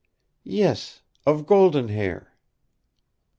"Yes, of Golden Hair."